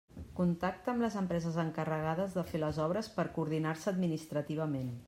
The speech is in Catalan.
Contacta amb les empreses encarregades de fer les obres per coordinar-se administrativament.